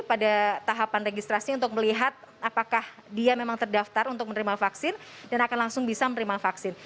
pada tahapan registrasi untuk melihat apakah dia memang terdaftar untuk menerima vaksin dan akan langsung bisa menerima vaksin